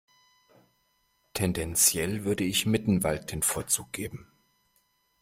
Tendenziell würde ich Mittenwald den Vorzug geben.